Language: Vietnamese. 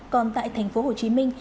còn tại thành phố hồ chí minh